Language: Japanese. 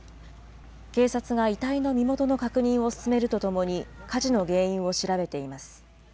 警察が遺体の身元の確認を進めるとともに、火事の原因を調べています。